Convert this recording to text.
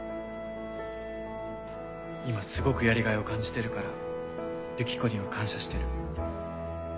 今すごくやりがいを感じてるからユキコには感謝してる。